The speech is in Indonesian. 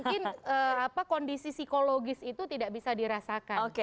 mungkin kondisi psikologis itu tidak bisa dirasakan